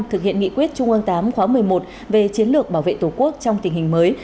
thực hiện nghị quyết trung ương tám khóa một mươi một về chiến lược bảo vệ tổ quốc trong tình hình mới